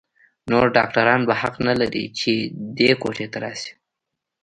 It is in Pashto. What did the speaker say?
نور ډاکتران به حق نه لري چې دې کوټې ته راشي.